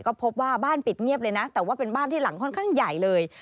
ก็พบว่าบ้านปิดเงียบเลยนะแต่ว่าเป็นบ้านที่หลังค่อนข้างใหญ่เลย